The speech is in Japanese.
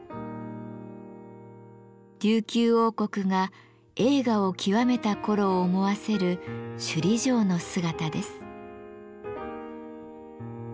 琉球王国が栄華を極めた頃を思わせる首里城の姿です。